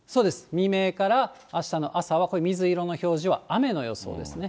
未明からあしたの朝は、これ、水色の表示は雨の予想ですね。